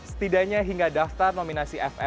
setidaknya hingga daftar nominasi flf